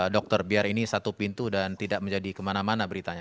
dokter biar ini satu pintu dan tidak menjadi kemana mana beritanya